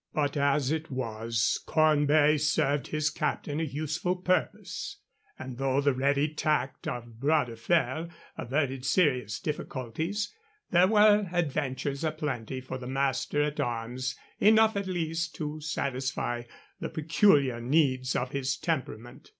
But as it was, Cornbury served his captain a useful purpose; and, though the ready tact of Bras de Fer averted serious difficulties, there were adventures aplenty for the master at arms enough, at least, to satisfy the peculiar needs of his temperament.